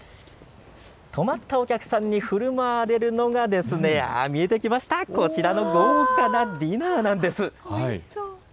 泊まったお客さんにふるまわれるのが見えてきました、こちらの豪華なディナーなんです。